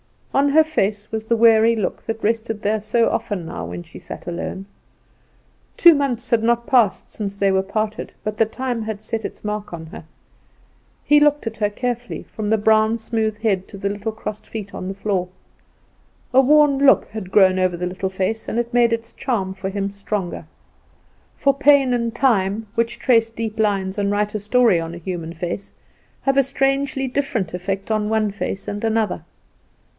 On her face was the weary look that rested there so often now when she sat alone. Two months had not passed since they parted; but the time had set its mark on her. He looked at her carefully, from the brown, smooth head to the little crossed feet on the floor. A worn look had grown over the little face, and it made its charm for him stronger. For pain and time, which trace deep lines and write a story on a human face, have a strangely different effect on one face and another.